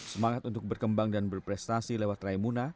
semangat untuk berkembang dan berprestasi lewat raimuna